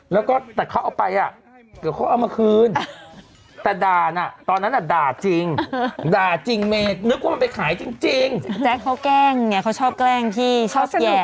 มันไปขายจริงแจ๊กเค้าแกล้งเนี่ยเค้าชอบแกล้งพี่ชอบหย่ะ